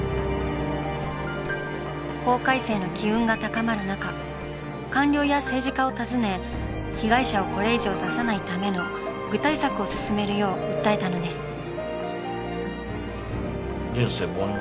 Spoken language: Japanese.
法改正の機運が高まる中官僚や政治家を訪ね被害者をこれ以上出さないための具体策を進めるよう訴えたのです。